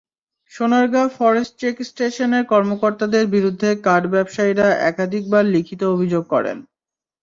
Sonargaon forest check স্টেশনের কর্মকর্তাদের বিরুদ্ধে কাঠ ব্যবসায়ীরা একাধিকবার লিখিত অভিযোগ করেন।